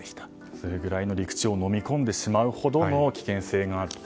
それくらいの陸地をのみ込んでしまうほどの危険性があったと。